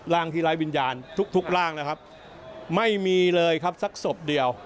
ร่างที่ไร้วิญญาณทุกทุกร่างนะครับไม่มีเลยครับสักศพเดียว